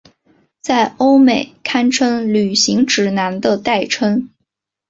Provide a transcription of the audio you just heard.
在欧美堪称旅行指南的代称。